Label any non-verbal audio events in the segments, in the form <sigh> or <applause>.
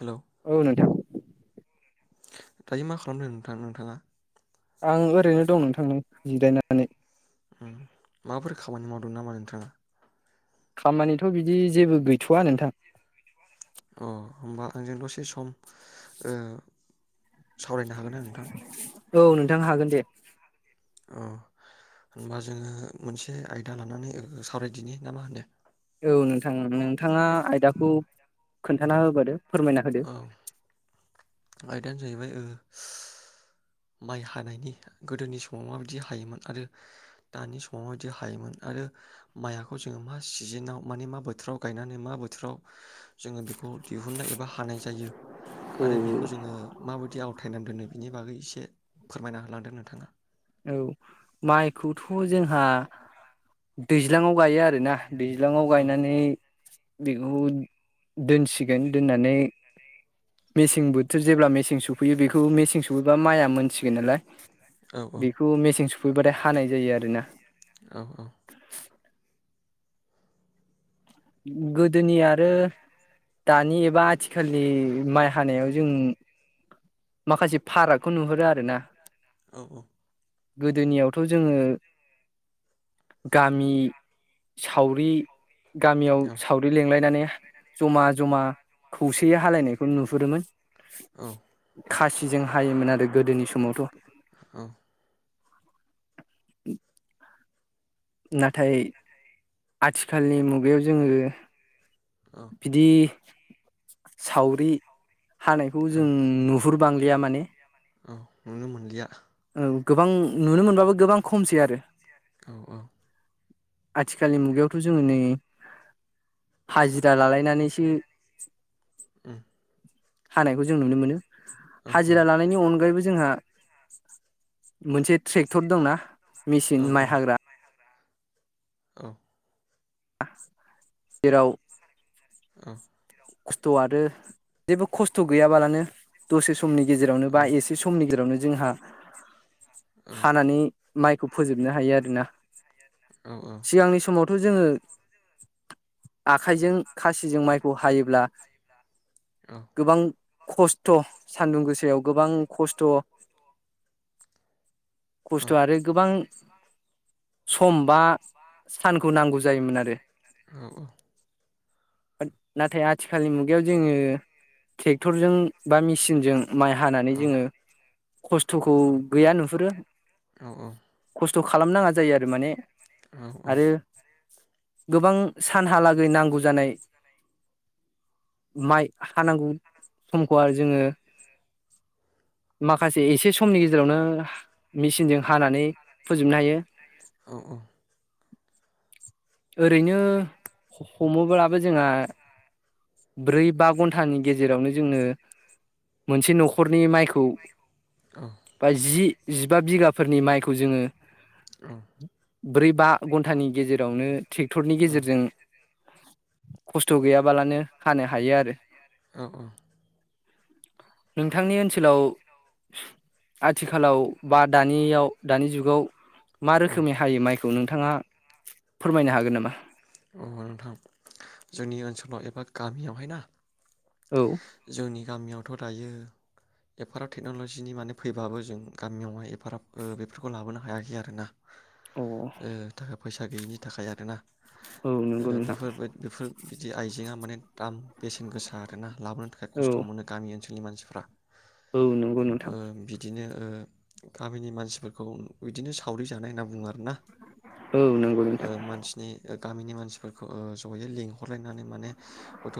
Hello औ नोंथां दायो मा खालामदों नोंथां नोंथाङा? आं ओरैनो दं नोंथां नो जिरायनानै। उम माबाफोर खामानि मावदों नामा नोंथाङा? खामानिथ बिदि जेबो गैथवा नोंथां अ होमबा आंजों दसे सम ओ सावरायनो हागोनना नोंथां? औ नोंथां हागोन दे। अ होनबा जोङो मोनसे आयदा लानानै सावरायदिनि ना मा होनो? औ नोंथां नोंथाङा आयदाखौ खोन्थाना होबोदो फोरमायना होदो औ आयदायानो जाहैबाय ओ माइ हानायनि गोदोनि समाव माबायदि हायोमोन आरो दानि समाव माबायदि हायोमोन आरो माइखौ जोङो मा सिजोनाव माने मा बोथोराव गायनानै मा बोथोराव जोङो बेखौ दिहुननाय एबा ह हानाय जायो। आरो बेखौ जोङो माबायदि आवथायनानै दोनो बिनि बागै एसे फोरमायना होलांदों नोंथाङा। औ माइखौथ जोंहा दैज्लांआव गायो आरोना दैज्लांआव औ गायनानै बेखौ दोनसिगोन दोन्नानै मेसें बोथोर जेब्ला मेसें सफैयो बेखौ मेसें सफैबा माइआ मोनसिगोन नालाय औ औ बेखौ मेसें स फैबाथाय हानाय जायो आरोना औ औ गोदोनि आरो दानि एबा आथिखालनि माइ हानायाव जों माखासे फारागखौ नुहुरो आरो ना औ औ गोदोनियावथ' जोङो गामि सावरि गामियाव औ सावरि लिंलायनानै जमा जमा खौसेयै हालायनायखौ नुहुरोमोन औ खासिजों हायोमोन आरो गोदोनि समावथ' औ <unintelligible> नाथाय आथिखालनि मुगायाव जोङो औ बिदि सावरि हानायखौ औ जों नु हुर बांलिया माने औ नुनो मोनलिया ओं गोबां नुनो मोनबाबो गोबां खमसै आरो औ औ आथिखालनि मुगायावथ' जोङो नै हाजिरा लालायनानैसो उम हानायखौ जों नुनो मोनो। औ हाजिरा लानायनि अनगायैबो जोंहा मोनसे ट्रेक्टर दंना औ मेचिन औ माइ हाग्रा औ जेराव औ खस्थ' आरो जेबो खस्थ' गैयाबालानो दसे सम समनि गेजेरावनो औ बा एसे समनि गेजेरावनो जोंहा हानानै माइखौ फोजोबनो हायो आरोना सिगांनि समाव थ' जोङो आखायजों खाथिजों मायखौ हायो ब्ला गोबां खस्थ' सानदुं गोसायाव गोबां खस्थ' औ खस्थ' आरो गोबां सम बा सानखौ नांगौ जायोमोन आरो आरो औ औ नाथ आद थिखालनि मुगायाव जोङो ट्रेक्टरजों बा मेसिनजों माइ औ हानानै जोङो खस्थ'खौ गैया नुहुरो औ औ खस्थ' खालाम नाङा जायो आरो माने औ औ आरो गोबां सानहालागै नांगौ जानाय माइ हानांगौ समखौ आरो जोङो माखासे एसे समनि गेजेरावनो मेचिनजों हानानै फोजोबनो हायो ओरैनो हमोब्लाबो जोंहा ब्रै बा घन्टानि गेजेरावनो जोंनो मोनसे न'खरनि माइखौ खौ बा जि जिबा बिगाफोरनि माइखौ जोङो औ ब्रै बा घन्टानि गेजेरावनो ट्रेक्टरनि गेजेरजों खस्थ' गैयाबालानो हानो हायो आरो औ औ नोंथांनि ओनसोलाव आथिखालाव बा दानियाव दानि जुगाव मा रोखोमनि हायो माइखौ नों नोंथाङा फोरमायनो हागोन नामा अ नोंथां जोंनि ओनसोलाव एबा गामियावहाय ना औ जोंनि गामियावथ' दायो एफाराब टेक्न'ल'जिनि माने फैबाबो जों गामियावहाय एफाराब बेफोरखौ लाबोनो हायाखै आरोना अ ओ थाखा फैसा गैयिनि थाखाय आरोना औ नंगौ ओ नोंथां बेफोरबाय बेफोर बिदि आइजेंआ माने दाम बेसेन गोसा आरोना लाबोनो थाखाय औ खस्थ' मोनो गामि ओन ओनसोलनि मानसिफ्रा औ नंगौ ओ नोंथां बिदिनो ओ गामिनि मानसिफोरखौ बिदिनो सावरि जानाय होनना बुङो आरोना औ नंगौ ओ नोंथां मानसिनि ओ गामिनि मानसिफोरखौ ओ जयै लिंहरलायनानै माने गथ'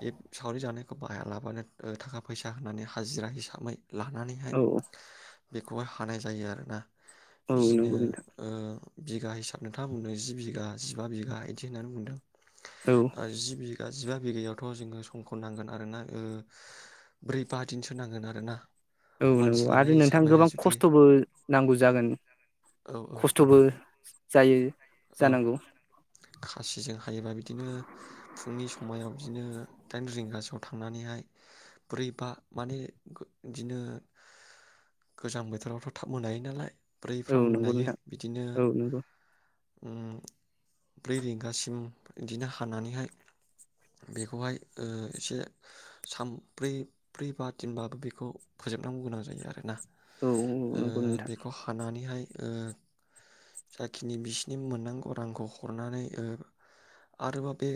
बे सावरि जानायखौ बाहायालाबानो थाखा फैसा होनानै हाजिरा हिसाबै लानानैहाय औ बेखौहाय हानाय जायो आरोना औ बिदिनो नंगौ नोंथां ओ बिगा हिसाब नोंथांङा बुंनो जि बिघा जिबा बिगा बिदि होननानै बुंदों औ ओ जि बिगा जिबा बिगायावथ' जोङो समखौ नांगोन आरोना ओं ब्रै बा दिनसो नांगोन आरोना। औ मानसि नंगौ लानाय आरो नोंथां हिसाबैहाय गोबां जुदि खस्थ'बो नांगौ जागोन औ औ खस्थ'बो जायो। औ जानांगौ खासिजों हा हायोबा बिदिनो फुंनि समायाव बिदिनो दाइन रिंगासोआव थांनानैहाय ब्रै बा माने बिदिनो गोजां बोथोरावथ' थाब मोनायो नालाय। औ ब्रैफ्राव नंगौ मोनायो नोंथां बिदिनो औ नंगौ ओम ब्रै रिंगासिम बिदिनो हानानैहाय बेखौहाय ओं एसे सानब्रै ब्रै बा दिनबाबो बेखौ फोजोबनांगौ गोनां जायो आरोना। औ औ नंगौ ओं नोंथां बेखौ हानानैहाय ओं जाखिनि बिसिनि बि मोननांगौ रांखौ हरनानै ओं आरोबाव बे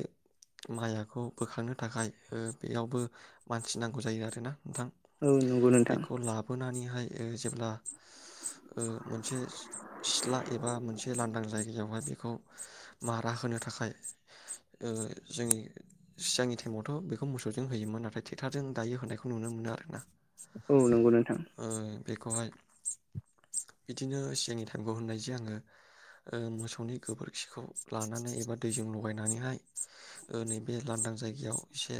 माइयाखौ बोखांनो थाखाय बेयावबो मानसि नांगौ जायो आरोना। नोंथां औ नंगौ नोंथां बेखौ लाबोनानैहाय ओं जेब्ला ओं मोनसे सिथला एबा मोनसे लांदां जायगा जायगायावहाय बेखौ मारा होनो थाखाय ओं जोंनि सिगांनि टाइमावथ' बेखौ मोसौजों होयोमोन नाथाय ट्रेक्टरजों दायो होनायखौ नुनो मोनो आरोना। औ नंगौ नोंथां। ओ बेखौहाय बिदिनो सिगांनि थायेमखौ होननायसै आङो। ओं मोसौनि गोबोरखिखौ लानानै एबा दैजों लगायनानैहाय नैबे लांदां जायगायाव एसे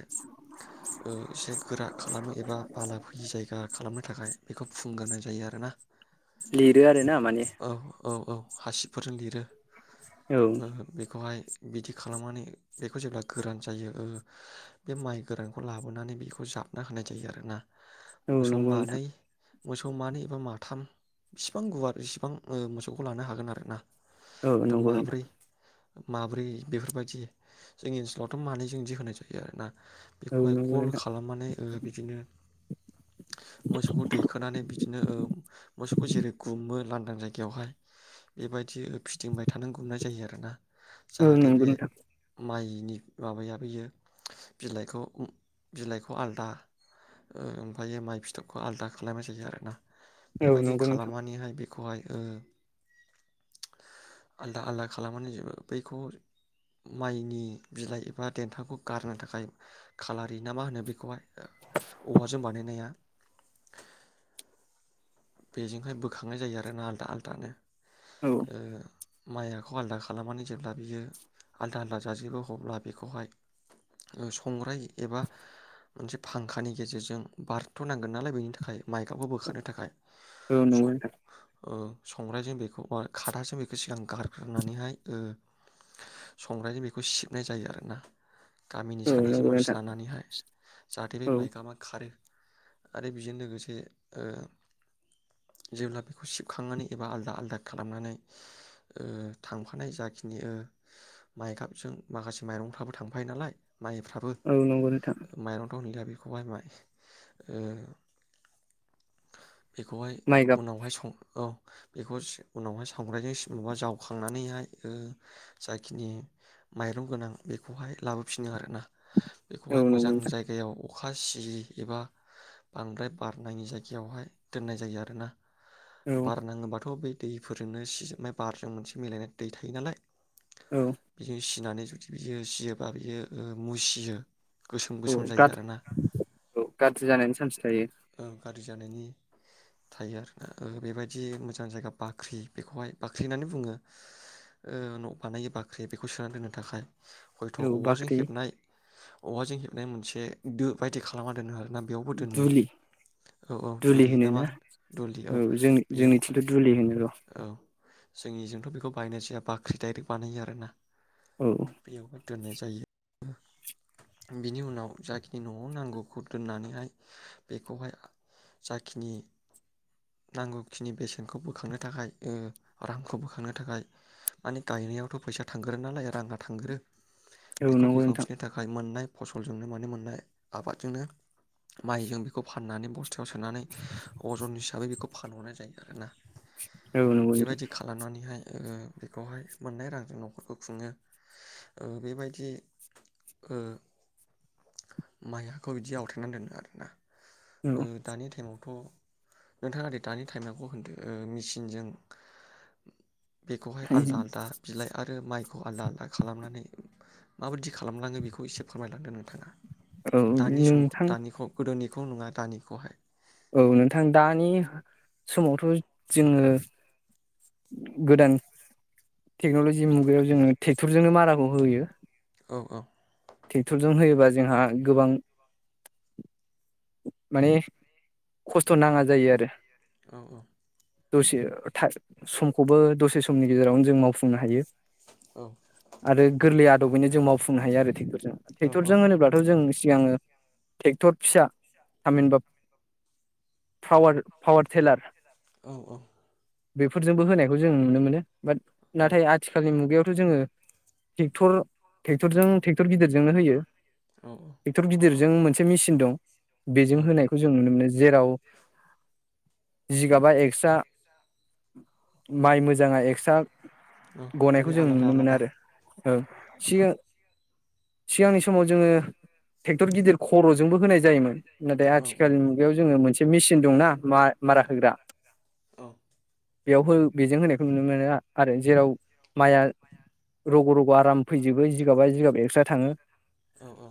ओं एसे गोरा खालामो एबा बाला फैयि जायगा खालामनो थाखाय बेखौ फु फुगारनाय जायो आरो ना। लिरो आरोना माने? औ औ हासिब फोरजों लिरो। औ बेखौहाय बिदि खालामनानै बेखौ जेब्ला गोरान जायो ओं बे माइ गोरानखौ लाबोनानै बेखौ जाबना होनाय जायो आरोना। औ मोसौ नंगौ नोंथां मानै मोसौ मानै एबा माथाम बिसिबां गुवार बिसिबां ओं मोसौखौ लानो हागोन आरोना। औ हयथ' नंगौ माब्रै नोंथां। माब्रै बेफोरबायदि जोंनि ओनसोलावथ' मानैजों बिदि होनाय जायो आरोना। औ बेखौहाय नंगौ गल नोंथां खालामनानै ओं बिदिनो मोसौखौ दैखोनानै बि बिदिनो ओं मोसौखौ जेरै गुम्मो लांदां जायगायावहाय बेबाय बिदि फिदिंबाय थानांगौ गौनाय जायो आरोना। औ जाहाथे नंगौ बे नोंथां माइ बिनि माबायाबोयो बिलाइखौ बिलाइखौ आलादा ओमफ्रायो माइ फिथोबखौ आलदा खालामनाय जायो आरोना औ बेबायदि नंगौ नोंथां खालामनानैहाय बे बेखौहाय ओ आलदा आलदा खालामनानै जोबो बैखौ माइनि बिलाइ एबा देन्थांखौ गारनो थाखाय खालारि ना मा होनो बेखौहाय औवाजों बानायनाया बेजोंहाय बोखांनाय जायो आरोना आलदा आलदानो औ ओ माइखौ आलादा खालामनानै जेब्ला बियो आलादा आलादा जाजोबो अब्ला बेखौहाय संग्राय एबा मोनसे फांखानि गेजेरजों बारथ'नांगोन नालाय बेनि थाखाय माइखौबो बोखारनो थाखाय औ स' नंगौ नोंथां संग्रायजों बेखौबो खादाजों बेखौ सिगां गारग्रोनानैहाय संग्रायजों बेखौ सिबनाय जायो आरोना गामिनि औ सानैसो नंगौ मानसि नोंथां लानानैहाय जाहाथे बे औ माइ गाबा खारो आरो बेजों लोगोसे जेब्ला बेखौ सिबखांनानै एबा आलदा आलदा खालामनानै थांफानाय जाखिनि माइ गाबजों माखासे माइरंफ्राबो थांफायो नालाय माइफ्राबो औ नंगौ नोंथां माइरं थावनि <unintelligible> बेखौहाय <unintelligible> बेखौहाय माइ गाब उनावहाय सं औ बेखौ उनावहाय सावग्राजों सि मबा जावखांनानैहाय जाखिनि माइरं गोनां बेखौहाय लाबोफिनो आरोना औ बेखौहाय नंगौ मोजां नोंथां जायगायाव अखा सि एबा बांद्राय बारनायनि जायगायावहाय दोननाय जायो आरो ना औ बार नाङोबाथ' बे दैफोरजोंनो सि माय बारजों मोनसे मिलायनानै दै थायो नालाय औ बिदि सिनानै जुदि बियो सियोबा बियो मुसियो गोसोम औ गोसोम जायो गाज आरोना औ गाज्रि जानायनि चान्स थायो ओ गाज्रि जानायनि थायो आरो ना बेबायदि मोजां जायगा बाख्रि बेखौहाय बाख्रि होननानै बुङो न' बानायो बाख्रि बेखौ सोनानै दोननो थाखाय हयथ' औ औवाजों बाख्रि हेबनाय औवाजों हेबनाय मोनसे दो बायदि खालामना दोनो आरो आर ना बेयावबो दोननो दुलि औ औ दुलि दुरि होनो ना मा होन दुलि औ जोंनि बेयाव जोंनिथिंथ' <unintelligible> जोंनिजोंथ' बेखौ बायनाय जाया बाख्रि डाइरेक्ट बानायो आरोना औ बेयावहाय दोननाय जायो बिनि उनाव जाखिनि न'आव नांगौखौ दोननानैहाय बेखौहाय जाखिनि नांगौखिनि बेसेनखौ बोखांनो थाखाय रांखौ बोखांनो थाखाय माने गायनायावथ' फैसा थांग्रो नालाय राङा थांग्रो औ बेखौ नंगौ नोंथां बिखावफिननो थाखाय मोननाय फनो म मोननाय आबनो माइ बेखौ फाननानै ब खाथियाव सोनानै अजन हिसाबै बेखौ फानहरनाय जायो आरो ना औ नंगौ नोंथां बेबायदि खालामनानैहाय बेखौहाय मोननाय रांजों न'खरखौ खुङो बेबायदि माइखौ बिदि आवथायनानै दोनो आरोना औ दानि टाइमावथ' नोंथाङाओै दानि टाइमावखौ होनदो मेसिनजों बेखौहाय आलदा आलदा बिलाइ आरो आरो माइखौ आलदा आलदा खालामनानै माबायदि खालामलाङो बि बेखौ एसे फोरमायलांदों नोंथाङा औ दानि सम नोंथां दानिखौ गोदोनि बेखौ नङा दानिखौहाय औ नोंथां दानि समावथ' जोङो गोदान टेक्न'लजि मुगायाव जोङो ट्रेक्टरजोंनो माराखौ होयो औ औ ट्रेक्टरजों होयोबा जोंहा गोबां माने खस्थ' नाङा जायो आरो औ औ दसे समखौबो दसे समनि गेजेरावनो जों मावफुंनो हायो औ आरो गोरलैया बेैनो जों मावफुंनो हायो आरो औ ट्रेक्टरजों होनोब्लाथ' जों सिगाङो ट्रेक्टर फिसा थामहिनबा पावार पावार टेलार औ औ बेफोरजोंबो होनायखौ जों नुनो मोनो बाट नाथाय आथिखालनि मुगायाव जोङोे टेक्टरजों ट्रेक्टर गिदिरजोंनो होयो। औ टेक्टर' जिदिर जों मोनसे मेचिन दं बेजों औ होनायखौ जों नुनो मोनो। जेराव। गाबा एक्सट्रा माइ मोजाङा एक्सट्रा औ गनायखौ माने जों आलादा नुनो मोनो आलादा आरो। औ सिगां सिगांनि समाव जोङो ट्रेक्टर गिदिर खर'जोंबो होनाय जायोमोन नाथाय औ औ आथिखालनि मुगायाव जोङो मोनसे मेसिन दंना मारा होग्रा औ। बेयाव हो बेजों होनायखौ नुनो मोनो आरो जेराव माइया रग' रग' आराम फैजोबो जिगाबा जिगाब एक्सट्रा थाङो औ औ।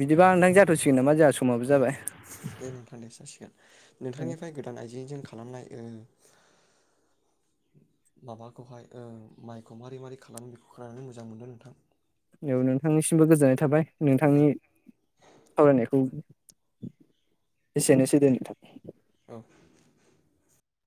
बिदिबा नोंथां जाथ'सिगोन नामा जोंहा। समाबो औ जाबाय दे नोंथां दे जासिगोन नोंथांनिफ्राय गोदान आइजेंजों। खालामनायओ। माबाखौहाय माइखौ मारै मारै खालामो बेखौ खालामनानै मोजां मोनो नोंथां। बेयाव नोंथांनिसिमबो गोजोननाय थाबाय। औ नोंथांनि सावरायनायखौ। एसेनोसै दे नोंथां। औ।